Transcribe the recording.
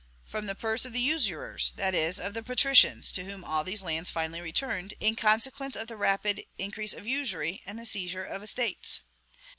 From the purse of the usurers; that is, of the patricians, to whom all these lands finally returned, in consequence of the rapid increase of usury, and the seizure of estates.